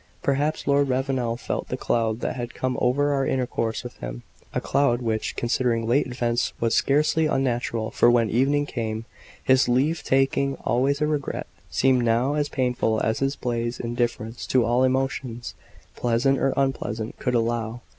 Perhaps Lord Ravenel felt the cloud that had come over our intercourse with him; a cloud which, considering late events, was scarcely unnatural: for when evening came, his leave taking, always a regret, seemed now as painful as his blase indifference to all emotions, pleasant or unpleasant, could allow.